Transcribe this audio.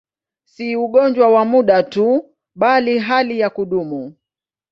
Si ugonjwa wa muda tu, bali hali ya kudumu.